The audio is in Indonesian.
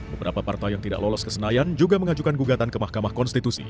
beberapa partai yang tidak lolos ke senayan juga mengajukan gugatan ke mahkamah konstitusi